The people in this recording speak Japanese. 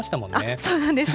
そうなんですよ。